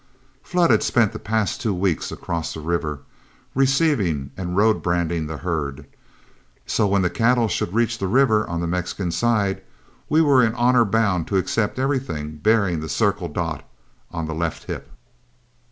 Flood had spent the past two weeks across the river, receiving and road branding the herd, so when the cattle should reach the river on the Mexican side we were in honor bound to accept everything bearing the "circle dot" the left hip.